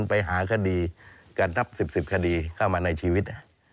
ไปหาคดีกันนับ๑๐๑๐คดีเข้ามาในชีวิต